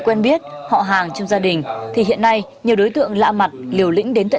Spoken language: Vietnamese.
và bỏ những phòng khách của chúng ta